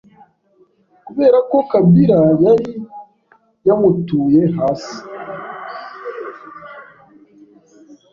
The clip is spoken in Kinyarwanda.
kubera ko Kabila yari yamutuye hasi